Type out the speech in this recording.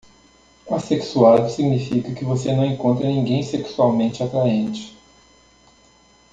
Assexuado significa que você não encontra ninguém sexualmente atraente.